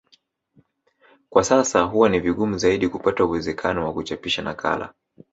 Kwa sasa huwa ni vigumu zaidi kupata uwezekano wa kuchapisha nakala